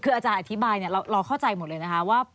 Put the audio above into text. คืออาจารย์อธิบายเราเข้าใจหมดเลยนะคะว่า